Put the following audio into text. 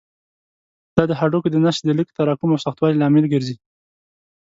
دا د هډوکو د نسج د لږ تراکم او سختوالي لامل ګرځي.